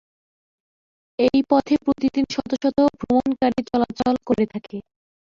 এই পথে প্রতিদিন শত শত ভ্রমণকারী চলাচল করে থাকে।